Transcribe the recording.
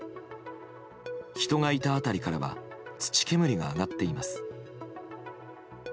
人がいた辺りからは土煙が上がっています。